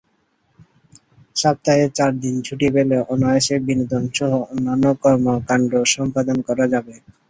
সপ্তাহে চার দিন ছুটি পেলে অনায়াসে বিনোদনসহ অন্যান্য কর্মকাণ্ড সম্পাদন করা যাবে।